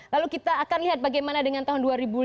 lalu kita akan lihat bagaimana dengan tahun dua ribu lima belas